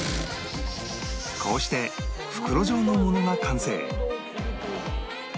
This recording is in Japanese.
こうして袋状のものが完成